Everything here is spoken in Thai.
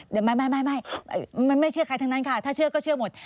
เดี๋ยวไม่เชื่อใครทั้งนั้นค่ะถ้าเชื่อก็เชื่อหมด